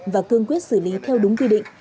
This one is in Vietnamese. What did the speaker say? và cương quyết xử lý theo đúng quy định